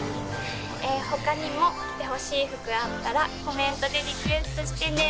「他にも着てほしい服あったらコメントでリクエストしてね」